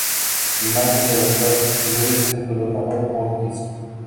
El plumaje de las partes superiores es de color marrón a rojizo.